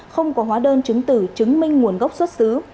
không có hóa đơn chứng tử chứng minh nguồn gốc xuất xứ